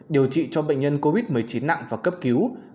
điều trị cho bệnh nhân covid một mươi chín nặng và cấp cứu